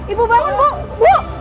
ibu bangun bu